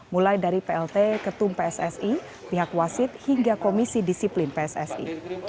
mulai dari plt ketum pssi pihak wasit hingga komisi disiplin pssi